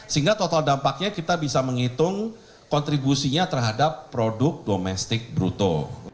sehingga total dampaknya kita bisa menghitung kontribusinya terhadap produk domestik bruto